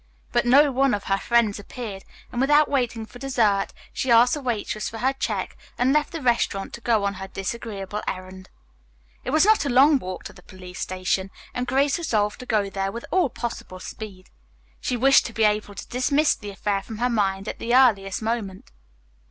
But no one of her friends appeared, and without waiting for dessert she asked the waitress for her check and left the restaurant to go on her disagreeable errand. It was not a long walk to the police station, and Grace resolved to go there with all possible speed. She wished to be able to dismiss the affair from her mind at the earliest moment.